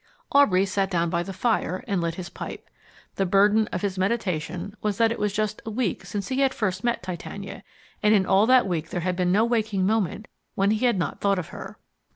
Aubrey sat down by the fire, and lit his pipe. The burden of his meditation was that it was just a week since he had first met Titania, and in all that week there had been no waking moment when he had not thought of her.